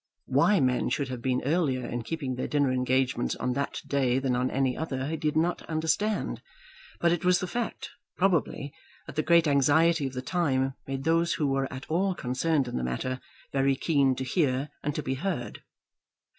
Why men should have been earlier in keeping their dinner engagements on that day than on any other he did not understand; but it was the fact, probably, that the great anxiety of the time made those who were at all concerned in the matter very keen to hear and to be heard.